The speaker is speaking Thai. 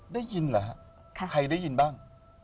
ได้ยินเหรอฮะใครได้ยินบ้าง